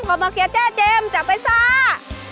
ขอมะเขือเจ้าเจมส์จับไปซ่า